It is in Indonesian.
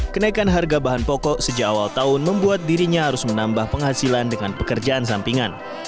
kenaikan harga bahan pokok sejak awal tahun membuat dirinya harus menambah penghasilan dengan pekerjaan sampingan